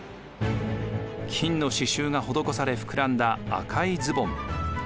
金の刺しゅうが施され膨らんだ赤いズボン。